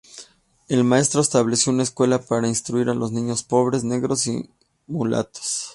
El maestro estableció una escuela para instruir a los niños pobres, negros y mulatos.